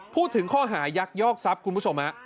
พูดถึงข้อหายักยอกทรัพย์คุณผู้ชมฮะ